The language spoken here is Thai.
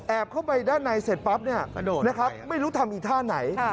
แอบเข้าไปด้านในเสร็จปั๊บไม่รู้ทำอีกท่าไหน